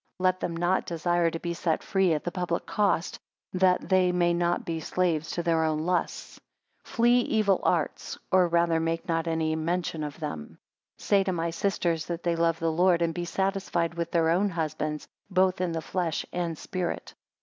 5 Let them not desire to be set free at the public cost, that they be not slaves to their own lusts. 6 Flee evil arts; or rather make not any mention of them. 7 Say to my sisters, that they love the Lord; and be satisfied with their own husbands, both in the flesh and spirit.